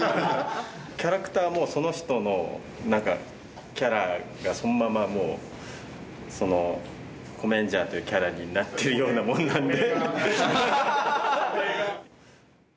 キャラクターもその人のなんかキャラがそのままもうそのコメンジャーというキャラになっているようなもんなんで。